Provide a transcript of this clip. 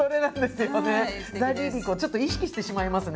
ちょっと意識してしまいますね。